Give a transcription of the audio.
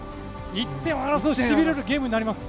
１点を争うゲームになります。